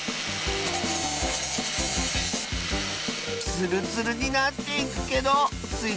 ツルツルになっていくけどスイ